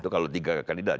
kalau tiga kandidat